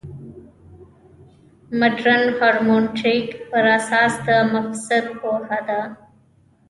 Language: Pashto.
مډرن هرمنوتیک پر اساس د مفسر پوهه ده.